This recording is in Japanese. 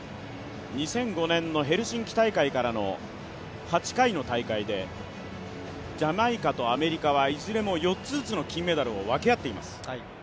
２００５年のヘルシンキ大会からの８回の大会でジャマイカとアメリカはいずれも４つずつの金メダルを分け合っています。